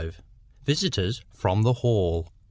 VISITORS FROM THE HALL.